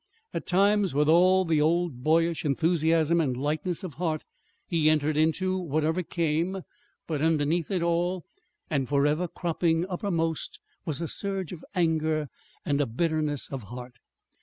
At times, with all the old boyish enthusiasm and lightness of heart, he entered into whatever came; but underneath it all, and forever cropping uppermost, was a surge of anger, a bitterness of heart.